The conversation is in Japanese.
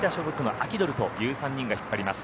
アキドルという３人が引っ張ります。